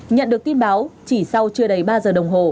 nhận được tin báo chỉ sau chưa đầy ba giờ đồng hồ